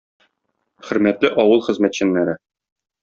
Хөрмәтле авыл хезмәтчәннәре!